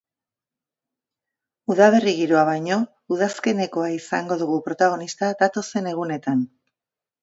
Udaberri giroa baino, udazkenekoa izango dugu protagonista datozen egunetan.